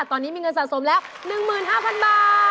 ตอนนี้มีเงินสะสมแล้ว๑๕๐๐๐บาท